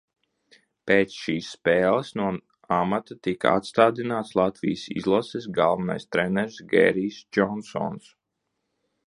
Pēc šīs spēles no amata tika atstādināts Latvijas izlases galvenais treneris Gērijs Džonsons.